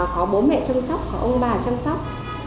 có bố mẹ chăm sóc và ông bà chăm sóc